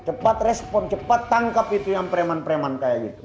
cepat respon cepat tangkap itu yang preman preman kayak gitu